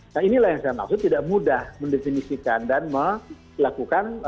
nah inilah yang saya maksud tidak mudah mendefinisikan dan melakukan